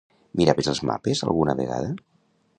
Miraves els mapes, alguna vegada?